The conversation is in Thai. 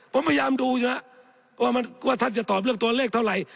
ผมพยายามดูอยู่แล้วว่าท่านจะตอบเรื่องตัวเลขเท่าไหร่